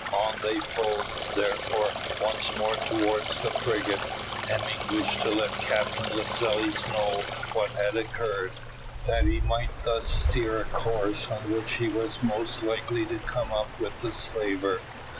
On they pulled, therefore, once more towards the frigate. Hemming wished to let Captain Lascelles know what had occurred, that he might thus steer a course on which he was most likely to come up with the slaver.